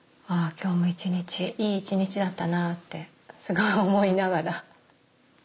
今日も一日いい一日だったなってすごい思いながら。